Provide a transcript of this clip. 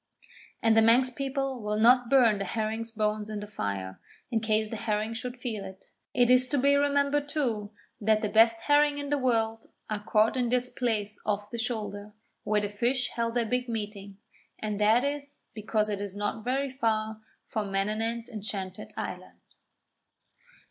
And the Manx people will not burn the herring's bones in the fire, in case the herring should feel it. It is to be remembered, too, that the best herring in the world are caught in this place off the Shoulder, where the fish held their big meeting, and that is because it is not very far from Manannan's enchanted island.